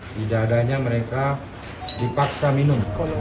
tidak adanya mereka dipaksa minum